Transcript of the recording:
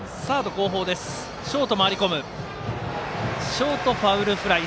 ショートファウルフライ。